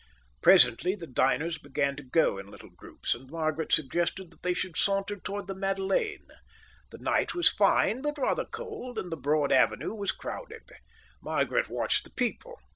Presently the diners began to go in little groups, and Margaret suggested that they should saunter towards the Madeleine. The night was fine, but rather cold, and the broad avenue was crowded. Margaret watched the people.